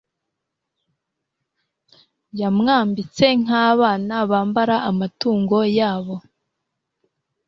Yamwambitse nkabana bambara amatungo yabo